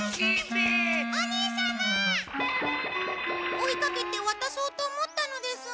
追いかけてわたそうと思ったのですが。